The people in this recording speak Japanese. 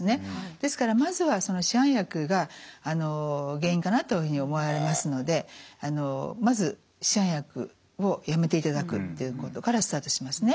ですからまずは市販薬が原因かなというふうに思われますのでまず市販薬をやめていただくということからスタートしますね。